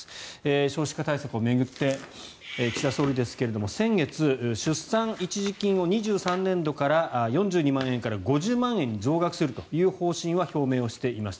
少子化対策を巡って岸田総理ですが先月、出産一時金を２３年度から４２万円から５０万円に増額するという方針は表明していました。